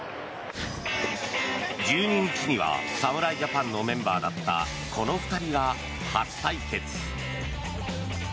１２日には侍ジャパンのメンバーだったこの２人が初対決。